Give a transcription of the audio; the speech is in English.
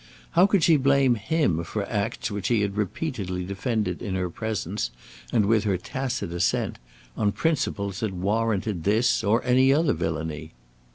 How could she blame him for acts which he had repeatedly defended in her presence and with her tacit assent, on principles that warranted this or any other villainy?